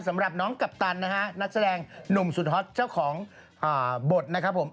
สำหรับน้องกัปตันนะฮะนักแสดงหนุ่มสุดฮอตเจ้าของบทนะครับผม